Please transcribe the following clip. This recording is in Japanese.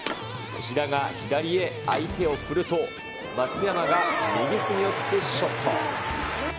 志田が左へ相手を振ると、松山が右隅を突くショット。